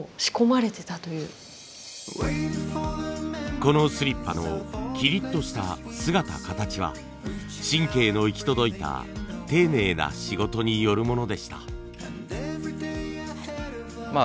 このスリッパのきりっとした姿形は神経の行き届いた丁寧な仕事によるものでした。